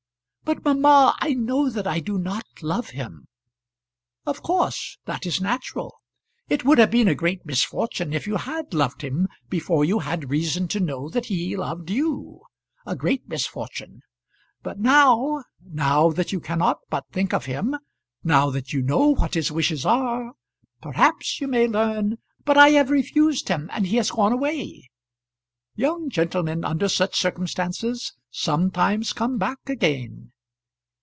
"But, mamma, I know that I do not love him." "Of course. That is natural. It would have been a great misfortune if you had loved him before you had reason to know that he loved you; a great misfortune. But now, now that you cannot but think of him, now that you know what his wishes are, perhaps you may learn " "But I have refused him, and he has gone away." "Young gentlemen under such circumstances sometimes come back again."